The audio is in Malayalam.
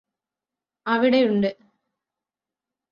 അവിടെയുണ്ട്